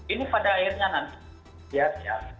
ini pada akhirnya nanti lihat ya